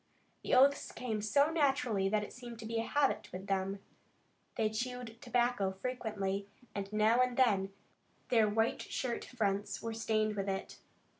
The oaths came so naturally that it seemed to be a habit with them. They chewed tobacco freely, and now and then their white shirt fronts were stained with it.